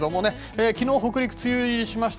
昨日、北陸は梅雨入りしました。